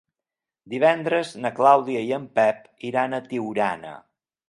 Divendres na Clàudia i en Pep iran a Tiurana.